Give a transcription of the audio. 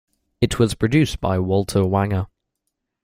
It was produced by Walter Wanger.